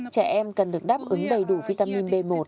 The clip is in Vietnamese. trẻ em cần được đáp ứng đầy đủ vitamin b một